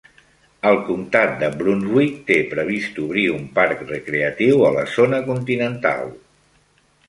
El comtat de Brunswick té previst obrir un parc recreatiu a la zona continental.